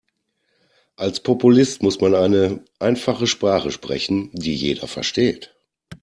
Als Populist muss man eine einfache Sprache sprechen, die jeder versteht.